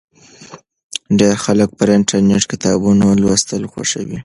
ډیر خلک پر انټرنېټ کتابونه لوستل خوښوي.